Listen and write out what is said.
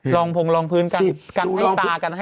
รองพงรองพื้นกันให้ตากัน